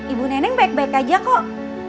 ibu neneng baik baik aja kok